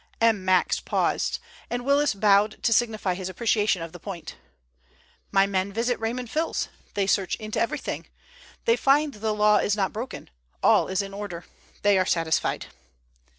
M. Max paused, and Willis bowed to signify his appreciation of the point. "My men visit Raymond Fils. They search into everything. They find the law is not broken. All is in order. They are satisfied."